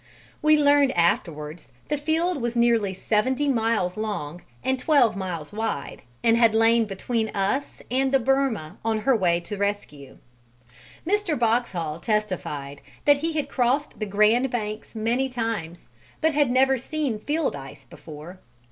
We learnt afterwards the field was nearly seventy miles long and twelve miles wide, and had lain between us and the Birma on her way to the rescue. Mr. Boxhall testified that he had crossed the Grand Banks many times, but had never seen field ice before.